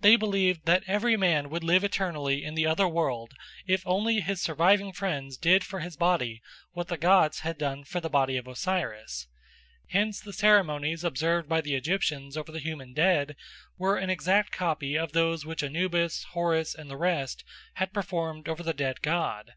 They believed that every man would live eternally in the other world if only his surviving friends did for his body what the gods had done for the body of Osiris. Hence the ceremonies observed by the Egyptians over the human dead were an exact copy of those which Anubis, Horus, and the rest had performed over the dead god.